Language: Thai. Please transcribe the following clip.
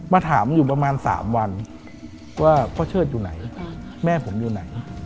มาถามอยู่ประมาณ๓วันว่าพ่อเชิดอยู่ไหนแม่ผมอยู่ไหน